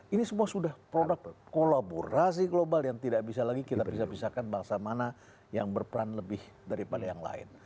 ini semua sudah produk kolaborasi global yang tidak bisa lagi kita pisah pisahkan bangsa mana yang berperan lebih daripada yang lain